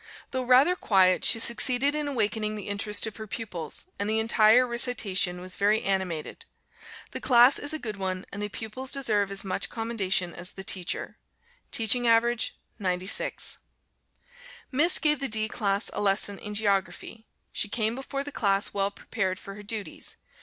Though rather quiet, she succeeded in awakening the interest of her pupils, and the entire recitation was very animated. The class is a good one, and the pupils deserve as much commendation as the teacher. Teaching average, 96. Miss gave the D class a lesson in Geography. She came before the class well prepared for her duties.